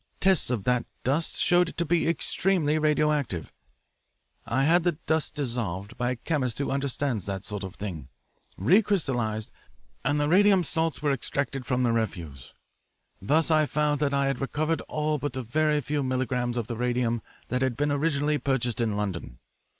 Tests of that dust showed it to be extremely radioactive. I had the dust dissolved, by a chemist who understands that sort of thing, recrystallised, and the radium salts were extracted from the refuse. Thus I found that I had recovered all but a very few milligrams of the radium that had been originally purchased in London.